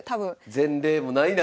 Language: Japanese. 前例もない中。